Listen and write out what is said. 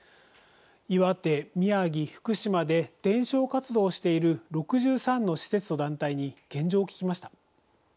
岩手、宮城、福島で伝承活動をしている６３の施設と団体に現状を聞きました。